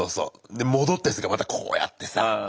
で戻ったりするからまたこうやってさ。